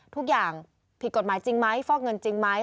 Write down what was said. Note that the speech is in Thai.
ทุกอย่างผิดกฎหมายจริงไหมฟอกเงินจริงไหม